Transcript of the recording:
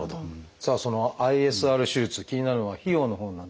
そのＩＳＲ手術気になるのは費用のほうなんですがどうでしょう？